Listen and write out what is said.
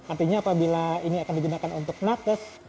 artinya apabila ini akan digunakan untuk nakes